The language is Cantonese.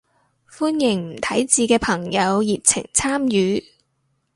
歡迎唔睇字嘅朋友熱情參與